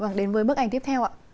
vâng đến với bức ảnh tiếp theo ạ